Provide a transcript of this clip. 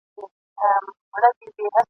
ستا یادیږي پوره شل وړاندي کلونه ..